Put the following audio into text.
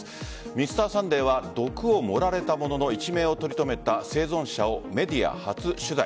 「Ｍｒ．サンデー」は毒を盛られたものの一命を取り留めた生存者をメディア初取材。